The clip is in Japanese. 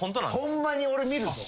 ホンマに俺見るぞ。